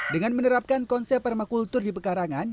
dengan menerapkan konsep permakultur di pekarangan